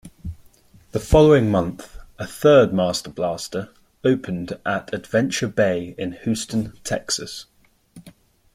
The following month a third Master Blaster opened at Adventure Bay in Houston, Texas.